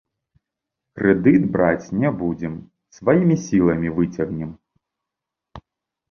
Крэдыт браць не будзем, сваімі сіламі выцягнем.